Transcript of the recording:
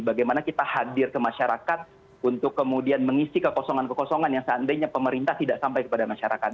bagaimana kita hadir ke masyarakat untuk kemudian mengisi kekosongan kekosongan yang seandainya pemerintah tidak sampai kepada masyarakat